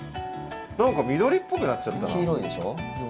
何か緑っぽくなっちゃったな。